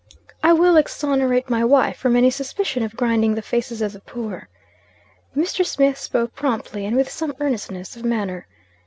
"I will exonerate my wife from any suspicion of grinding the faces of the poor." Mr. Smith spoke promptly and with some earnestness of manner.